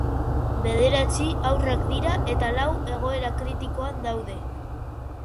Bederatzi haurrak dira eta lau egoera kritikoan daude.